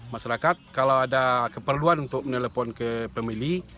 masyarakat kalau ada keperluan untuk menelpon ke pemilih